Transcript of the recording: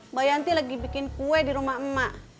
mbak yanti lagi bikin kue di rumah emak emak